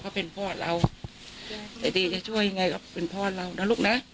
เขาเป็นพ่อเราแต่ดีจะช่วยยังไงก็เป็นพ่อเรานะลูกนะ